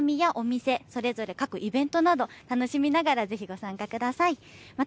横浜の町並みやお店、それぞれ各イベントなど楽しみながらぜひご参加ください。